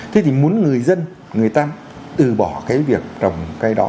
thế thì muốn người dân người ta từ bỏ cái việc trồng cây đó